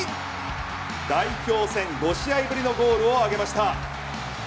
代表戦５試合ぶりのゴールを挙げました。